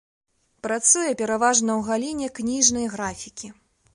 Працуе пераважна ў галіне кніжнай графікі.